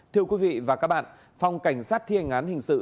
thưa quý vị và các bạn phòng cảnh sát thiên án hình sự